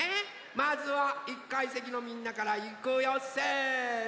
まずは１かいせきのみんなからいくよせの！